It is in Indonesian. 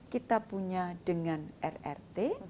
kita punya dengan rrt